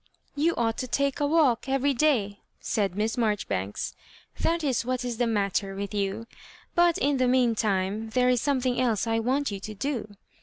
" You ought to take a walk every day," said Miss Marjoribanks, " that is what is the matter with you ; but, in the mean time, there is some thing else I want you to do.